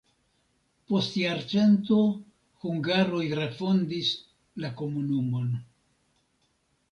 Post jarcento hungaroj refondis la komunumon.